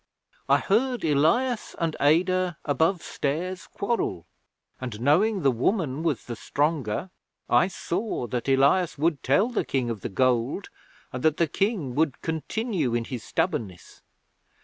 'I heard Elias and Adah abovestairs quarrel, and, knowing the woman was the stronger, I saw that Elias would tell the King of the gold and that the King would continue in his stubbornness.